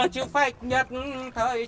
chữ phách nhật thời trèo